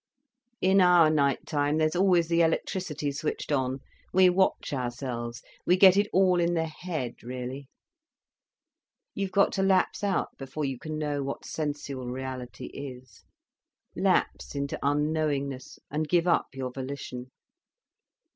In our night time, there's always the electricity switched on, we watch ourselves, we get it all in the head, really. You've got to lapse out before you can know what sensual reality is, lapse into unknowingness, and give up your volition.